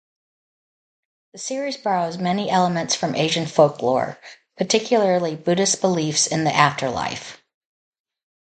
The series borrows many elements from Asian folklore, particularly Buddhist beliefs in the afterlife.